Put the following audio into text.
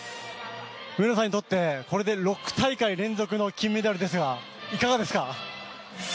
上野さんにとってこれで６大会連続の金メダルですが、いかがですか？